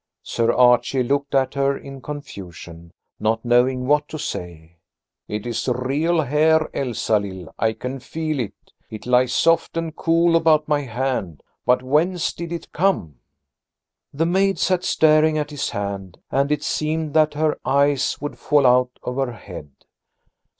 Sir Archie looked at her in confusion, not knowing what to say. "It is real hair, Elsalill, I can feel it. It lies soft and cool about my hand. But whence did it come?" The maid sat staring at his hand, and it seemed that her eyes would fall out of her head.